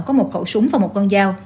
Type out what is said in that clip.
có một khẩu súng và một con dao